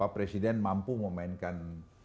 presiden mampu memainkan